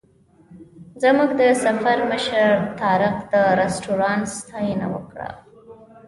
زموږ د سفر مشر طارق د رسټورانټ ستاینه وکړه.